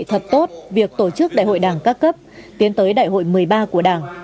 thật tốt việc tổ chức đại hội đảng các cấp tiến tới đại hội một mươi ba của đảng